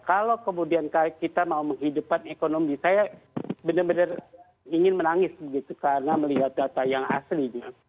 kalau kemudian kita mau menghidupkan ekonomi saya benar benar ingin menangis begitu karena melihat data yang aslinya